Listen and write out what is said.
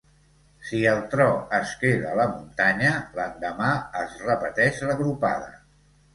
Si el tro es queda a la muntanya, l'endemà es repeteix la gropada.